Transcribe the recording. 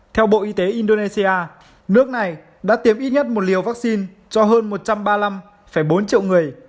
theo bộ y tế indonesia nước này đã tiêm ít nhất một liều vaccine cho hơn một trăm ba mươi năm bốn triệu người